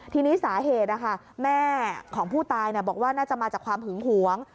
ทีนี้สาเหตุแม่ของผู้ตายบอกว่าน่าจะมาจากความหึงหวง